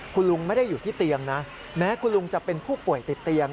คุณลุงไม่ได้อยู่ที่เตียงนะแม้คุณลุงจะเป็นผู้ป่วยติดเตียง